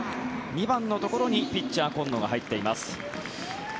２番のところにピッチャー、今野が入っています。